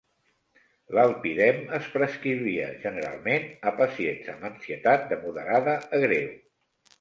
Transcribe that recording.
L'alpidem es prescrivia generalment a pacients amb ansietat de moderada a greu.